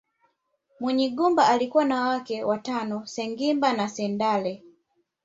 Munyigumba alikuwa na wake watano Sengimba na Sendale